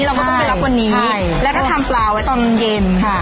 เราก็ต้องไปรับวันนี้แล้วก็ทำปลาไว้ตอนเย็นค่ะ